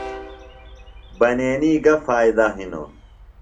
بنینی گہ فائدہ ہِنوۡ؟